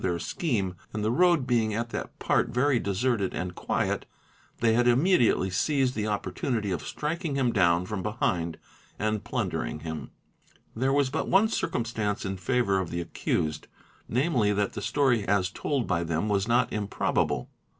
their scheme and the road _ being at that part very deserted and quiet, they had immediately seized _ the opportunity of striking him down from behind and plundering him. |: There was but one cirumstance in favour of the accused, namely that the story as told by them was not improbable.